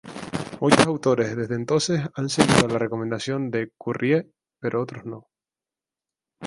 Muchos autores desde entonces han seguido la recomendación de Currie, pero otros no.